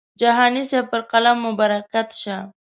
جهاني صاحب پر قلم مو برکت شه.